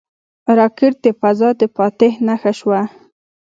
راکټ د فضا د فاتح نښه شوه